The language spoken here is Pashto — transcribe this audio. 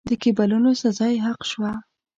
د کېبولونو سزا یې حق شوه.